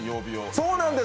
そうなんです！